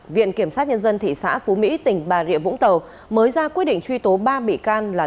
viện kiểm sát nhân dân thị xã phú mỹ tỉnh bà rịa vũng tàu mới ra quyết định truy tố ba bị can là